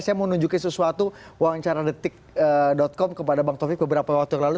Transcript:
saya mau nunjukin sesuatu wawancaradetik com kepada bang taufik beberapa waktu yang lalu